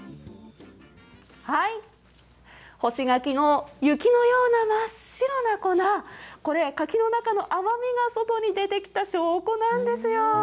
干し柿の雪のような真っ白な粉、これは柿の中の甘みが外に出てきた証拠なんですよ。